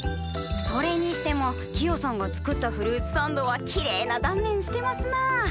それにしてもキヨさんが作ったフルーツサンドはきれいな断面してますなあ。